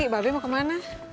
ba be mau ke mana